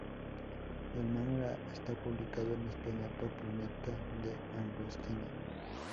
El manga está publicado en España por Planeta DeAgostini.